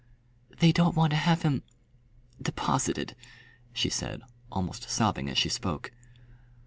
"They don't want to have him deposited," she said, almost sobbing as she spoke.